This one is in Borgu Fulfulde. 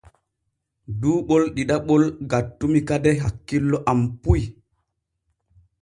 Duu ɓol ɗiɗaɓol gattumi kade hakkilo am puy.